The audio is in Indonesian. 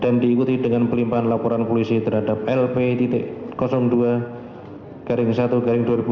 dan diikuti dengan pelimpan laporan polisi terhadap lp dua satu dua ribu enam belas sektorta